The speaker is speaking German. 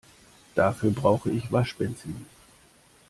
Dafür brauche ich Waschbenzin.